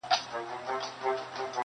ه ولي په زاړه درد کي پایماله یې.